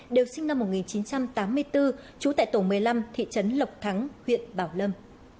đều sinh năm một nghìn chín trăm tám mươi bốn trú tại tổ một mươi năm thị trấn lộc thắng huyện bảo lâm